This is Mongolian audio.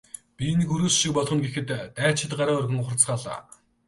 Би энэ гөрөөс шиг болгоно гэхэд дайчид гараа өргөн ухарцгаалаа.